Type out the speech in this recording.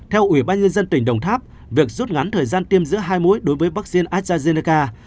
theo ủy ban nhân dân tỉnh đồng tháp việc rút ngắn thời gian tiêm giữa hai mũi đối với vaccine astrazeneca